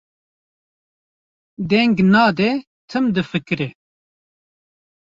deng nade, tim difikire.